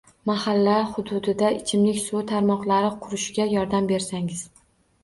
Mahalla hududida ichimlik suv tarmoqlarini qurishga yordam bersangiz.